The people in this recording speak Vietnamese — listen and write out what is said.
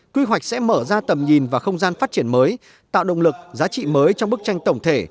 quy hoạch sẽ mở ra tầm nhìn và không gian phát triển mới tạo động lực giá trị mới trong bức tranh tổng thể